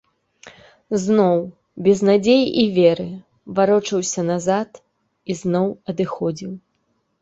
Зноў, без надзеі і веры, варочаўся назад і зноў адыходзіў.